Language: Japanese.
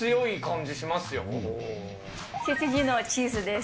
羊のチーズです。